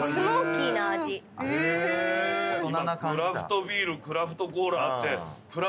クラフトビールクラフトコーラあって。